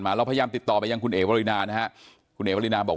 เราพยายามติดต่อไปยังคุณเอ๋วรินานะฮะคุณเอ๋วรินาบอก